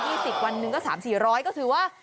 กิโลละ๑๒๐วันหนึ่งก็๓๐๐๔๐๐ก็ถือว่า